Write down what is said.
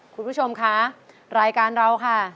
คุณผู้ชมคะรายการเราค่ะ